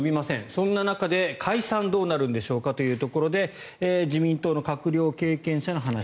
そんな中で解散はどうなるんでしょうかというところで自民党の閣僚経験者の話。